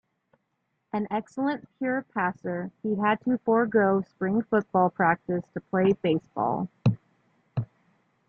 An excellent pure passer, he had to forego spring football practice to play baseball.